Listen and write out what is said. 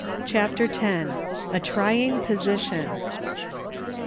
CHAPTER X. A TRYING POSITION.